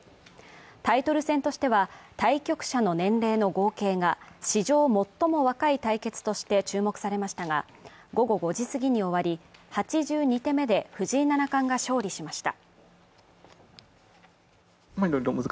タイトル戦としては対局者の年齢の合計が史上最も若い対決として注目されましたが、午後５時すぎに終わり、８２手目で藤井七冠が勝利しました。